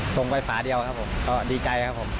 ส่งไปฝาเดียวครับผมก็ดีใจครับผม